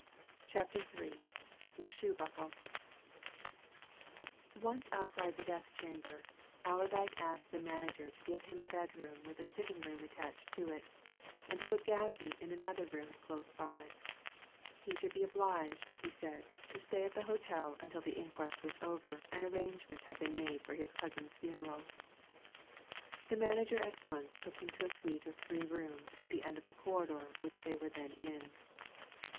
CHAPTER III THE SHOE BUCKLE Once outside the death chamber, Allerdyke asked the manager to give him a bedroom with a sitting room attached to it, and to put Gaffney in another room close by he should be obliged, he said, to stay at the hotel until the inquest was over and arrangements had been made for his cousin's funeral. The manager at once took him to a suite of three rooms at the end of the corridor which they were then in.